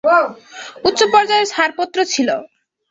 উচ্চ পর্যায়ের ছাড়পত্র ছিল।